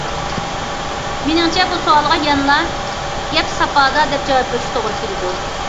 مېنىڭچە، بۇ سوئالغا يەنىلا‹‹ گەپ ساپادا›› دەپ جاۋاب بېرىشكە توغرا كېلىدۇ.